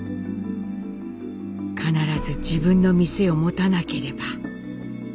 必ず自分の店を持たなければ。